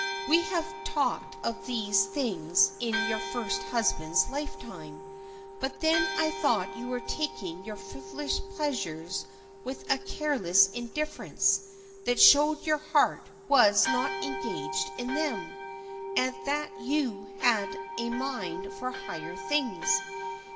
We have talked of these things in your first husband's lifetime, but then I thought you were taking your frivolous pleasures with a careless indifference that showed your heart was not engaged in them, and that you had a mind for higher things.